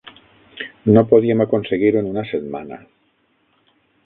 No podíem aconseguir-ho en una setmana!